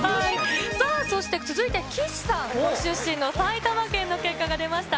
さあそして、続いて、岸さんご出身の埼玉県の結果が出ました。